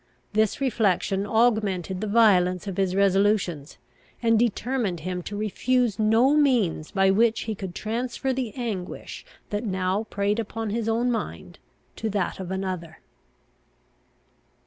This reflection augmented the violence of his resolutions, and determined him to refuse no means by which he could transfer the anguish that now preyed upon his own mind to that of another.